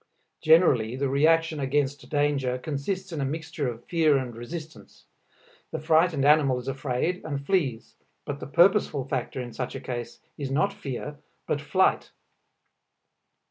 Generally the reaction against danger consists in a mixture of fear and resistance. The frightened animal is afraid and flees. But the purposeful factor in such a case is not fear but flight.